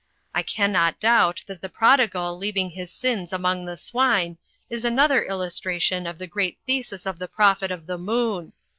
I camiot doubt that the Prodigal leaving his sins among the swine is an other illustration of the great thesis of the Prophet of the Moon.